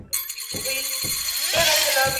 د دې رشتې لپاره علمي اصول بايد په سمه توګه وټاکل سي.